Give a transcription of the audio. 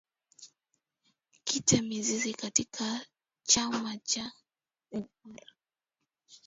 kita mizizi sana katika chama cha nrm